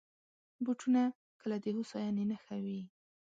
بوټونه کله د هوساینې نښه وي.